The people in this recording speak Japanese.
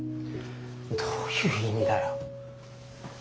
どういう意味だよ。